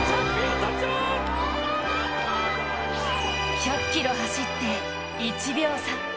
１００ｋｍ走って１秒差。